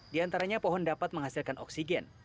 di antaranya pohon dapat menghasilkan oksigen